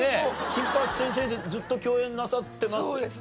『金八先生』でずっと共演なさってますよね？